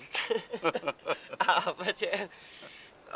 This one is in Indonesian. hahaha apa sih